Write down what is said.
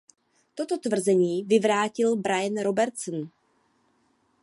Toto tvrzení vyvrátil Brian Robertson.